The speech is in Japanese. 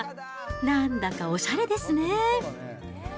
なんだかおしゃれですね。